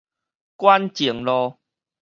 館前路